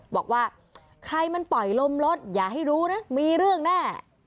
บอกว่าใครมันปล่อยลมรถอย่าให้รู้นะมีเรื่องแน่